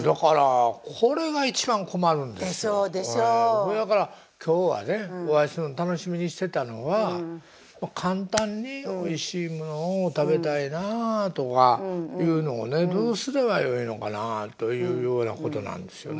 ほやから今日はねお会いするの楽しみにしてたのは簡単においしいものを食べたいなとかいうのをねどうすればよいのかなというようなことなんですよね。